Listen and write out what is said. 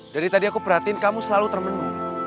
dari tadi aku perhatiin kamu selalu termenung